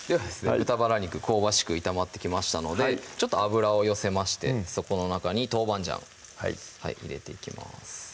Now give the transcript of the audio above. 豚バラ肉香ばしく炒まってきましたのでちょっと油を寄せましてそこの中に豆板醤を入れていきます